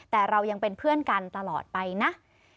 แต่เรายังเป็นเพื่อนกันตลอดไปนะ